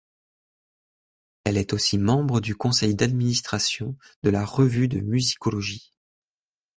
Elle est aussi membre du Conseil d’administration de la Revue de musicologie.